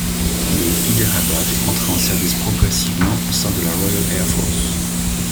Le Hyderabad entra en service progressivement au sein de la Royal Air Force.